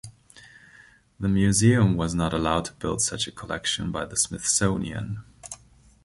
The museum was not allowed to build such a collection by the Smithsonian.